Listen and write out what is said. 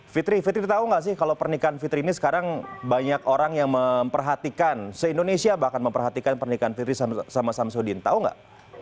fitri fitri tahu nggak sih kalau pernikahan fitri ini sekarang banyak orang yang memperhatikan se indonesia bahkan memperhatikan pernikahan fitri sama samsudin tahu nggak